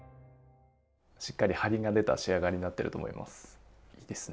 しっかりハリが出た仕上がりになってると思います。